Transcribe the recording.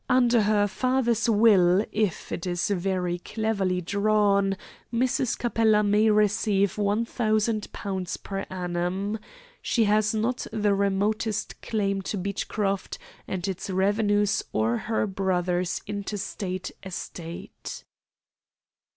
Under her father's will, if it is very cleverly drawn, Mrs. Capella may receive £1,000 per annum. She has not the remotest claim to Beechcroft and its revenues or to her brother's intestate estate."